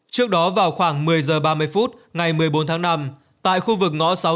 trước đó vào khoảng một mươi h ba mươi phút ngày một mươi bốn tháng năm tại khu vực ngõ sáu mươi tám